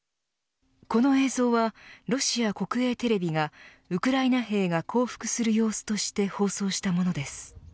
この映像は、ロシア国営テレビがウクライナ兵が降伏する様子として放送したものです。